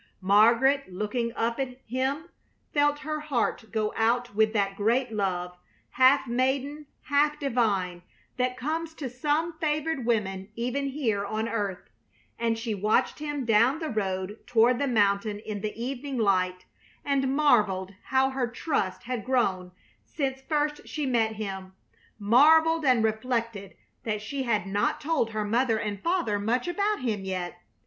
Margaret, looking up at him, felt her heart go out with that great love, half maiden, half divine, that comes to some favored women even here on earth, and she watched him down the road toward the mountain in the evening light and marveled how her trust had grown since first she met him; marveled and reflected that she had not told her mother and father much about him yet.